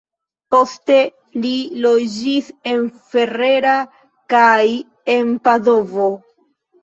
Poste li loĝis en Ferrara kaj en Padovo.